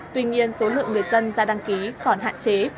tuy nhiên số lượng người dân ra đăng ký còn hạn chế